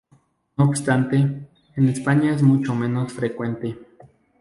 No obstante, en España es mucho menos frecuente.